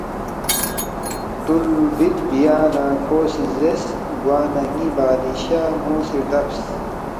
فُتول بِد بیا نہ کھو سی زیرس، ”گوانہ ن٘ی بادشاہ مو سی ردبس